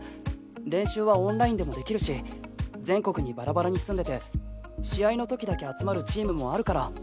練習はオンラインでもできるし全国にバラバラに住んでて試合の時だけ集まるチームもあるから。